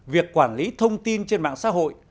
việc quản lý thông tin trên mạng xã hội